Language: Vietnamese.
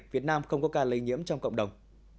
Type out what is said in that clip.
việt nam không có ca lây nhiễm trong cộng đồng